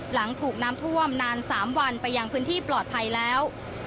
หลังถูกน้ำท่วมนาน๓วันไปยังพื้นที่ปลอดภัยแล้ว